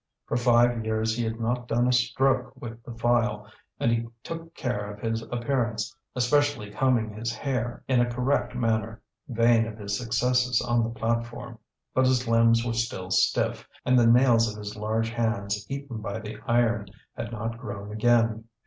For five years he had not done a stroke with the file, and he took care of his appearance, especially combing his hair in a correct manner, vain of his successes on the platform; but his limbs were still stiff, and the nails of his large hands, eaten by the iron, had not grown again.